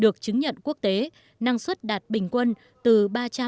được chứng nhận quốc tế năng suất đạt bình quân tăng dần ở những năm tiếp theo